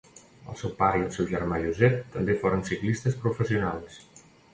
El seu pare i el seu germà Josep també foren ciclistes professionals.